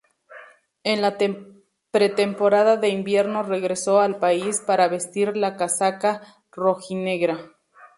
En la pretemporada de invierno regresó al país para vestir la casaca rojinegra.